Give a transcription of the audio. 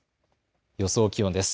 予想気温です。